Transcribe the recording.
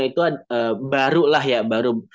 itu baru lah ya baru